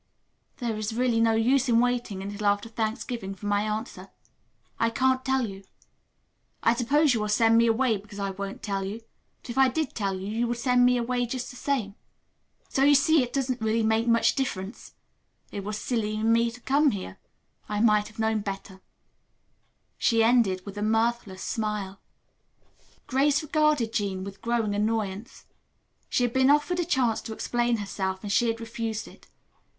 "There is really no use in waiting until after Thanksgiving for my answer. I can't tell you. I suppose you will send me away because I won't tell you, but if I did tell you, you would send me away just the same. So you see it doesn't really make much difference. It was silly in me to come here. I might have known better," she ended with a mirthless smile. Grace regarded Jean with growing annoyance. She had been offered a chance to explain herself and she had refused it.